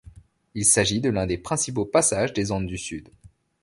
Il s'agit de l'un des principaux passages des Andes du Sud.